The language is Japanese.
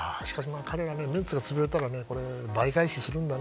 彼らの面子が潰れたら倍返しするんだね。